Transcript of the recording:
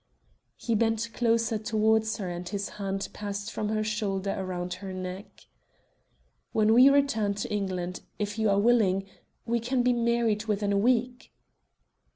He bent closer towards her and his hand passed from her shoulder round her neck. "When we return to England, if you are willing, we can be married within a week."